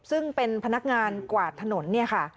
ซึ่งเป็นพนักงานกวาดถนนเนี่ยค่ะ